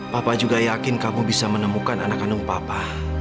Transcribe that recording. papa juga yakin kamu bisa menemukan anak kandung papa